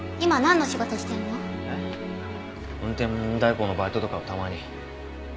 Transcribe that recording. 運転代行のバイトとかをたまに。